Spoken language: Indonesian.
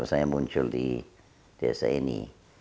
saya muncul di desa ini